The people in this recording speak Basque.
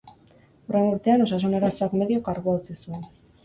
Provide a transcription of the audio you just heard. Hurrengo urtean, osasun arazoak medio, kargua utzi zuen.